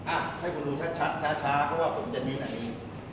อ่ะให้คุณรู้ชัดชัดช้าเพราะว่าผมจะมีแบบนี้